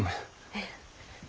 ええ。